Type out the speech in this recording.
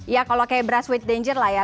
ya kalau kayak brush with danger lah ya